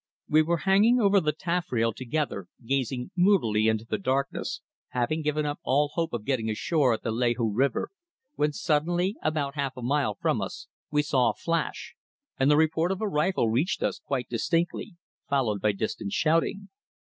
We were hanging over the taffrail together gazing moodily into the darkness, having given up all hope of getting ashore at the Lahou River, when suddenly about half a mile from us we saw a flash, and the report of a rifle reached us quite distinctly, followed by distant shouting.